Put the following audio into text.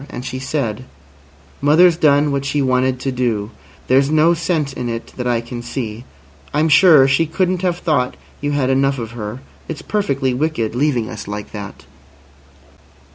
And she said: "Mother's done what she wanted to do. There's no sense in it that I can see. I'm sure she couldn't have thought you had enough of her. It's perfectly wicked, leaving us like that."